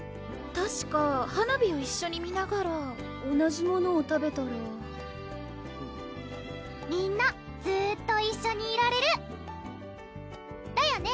たしか花火を一緒に見ながら同じものを食べたらみんなずーっと一緒にいられるだよね？